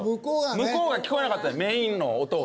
向こうが聞こえなかったメインの音が。